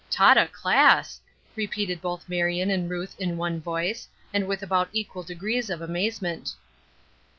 "Taught a class!" repeated both Marion and Ruth in one voice, and with about equal degrees of amazement.